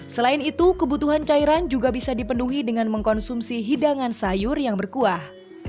selain itu kebutuhan cairan juga bisa dipenuhi dengan mengkonsumsi hidangan sayur yang berkuah